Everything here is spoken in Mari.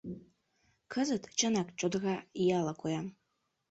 Кызыт, чынак, чодыра ияла коям.